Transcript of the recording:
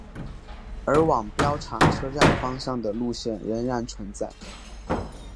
而往标茶车站方向的路线仍然存在。